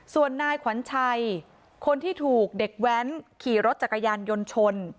ส่วนนายขวัญชัยคนที่ถูกเด็กแว้นขี่รถจักรยานยนต์ชน